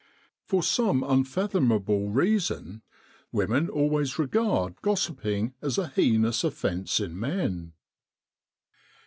For some un fathomable reason, women always regard gossiping as a heinous offence in men.